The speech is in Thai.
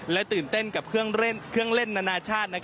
และตื่นเต้นกับเครื่องเล่นนานาชาติ